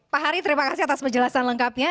pak hari terima kasih atas penjelasan lengkapnya